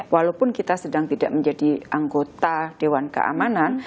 walaupun kita sedang tidak menjadi anggota dewan keamanan